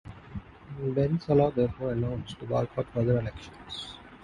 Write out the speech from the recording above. Ben Salah therefore announced to boycott further elections.